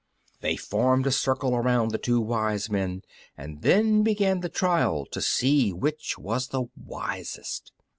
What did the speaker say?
They formed a circle around the two wise men, and then began the trial to see which was the wisest.